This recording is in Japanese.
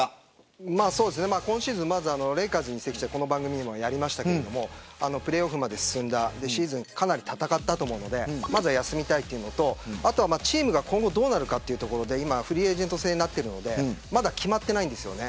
レイカーズへの移籍はこの番組でもやりましたがプレーオフまで進んだシーズンかなり戦ったと思うのでまずは休みたいというのとチームが今後どうなるかということで今フリーエージェント制になっていてまだ決まっていないんです。